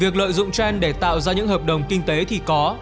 việc lợi dụng gen để tạo ra những hợp đồng kinh tế thì có